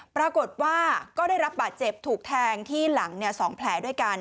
ปรากฏว่าก็ได้รับบาดเจ็บถูกแทงที่หลัง๒แผลด้วยกัน